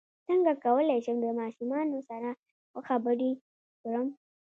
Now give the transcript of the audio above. څنګه کولی شم د ماشومانو سره ښه خبرې وکړم